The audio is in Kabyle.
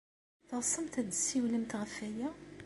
Teɣsemt ad d-tessiwlemt ɣef waya?